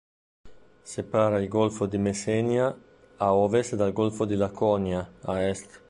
Separa il golfo di Messenia a ovest dal golfo di Laconia a est.